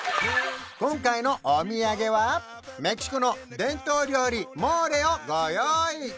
今回のお土産はメキシコの伝統料理モーレをご用意！